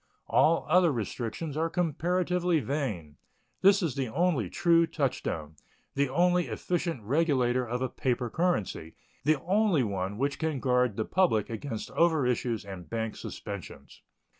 All other restrictions are comparatively vain. This is the only true touchstone, the only efficient regulator of a paper currency the only one which can guard the public against overissues and bank suspensions.